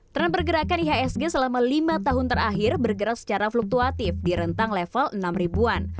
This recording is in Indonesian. tren pergerakan ihsg selama lima tahun terakhir bergerak secara fluktuatif di rentang level enam ribuan